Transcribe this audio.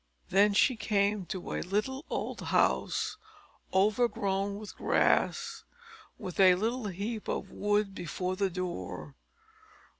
Then she came to a little old house, overgrown with grass, with a little heap of wood before the door.